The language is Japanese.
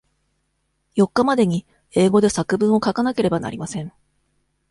四日までに英語で作文を書かなければなりません。